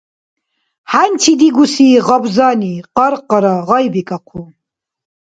ХӀянчи дигуси гъабзани къаркъара гъайбикӀахъу.